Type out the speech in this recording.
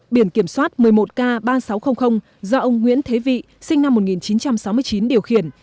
biển kiểm soát một mươi một k ba nghìn sáu trăm linh do ông nguyễn thế vị sinh năm một nghìn chín trăm sáu mươi chín điều khiển